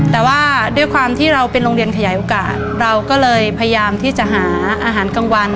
แต่ว่าด้วยความที่เราเป็นโรงเรียนขยายโอกาสเราก็เลยพยายามที่จะหาอาหารกลางวัน